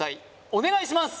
お願いします！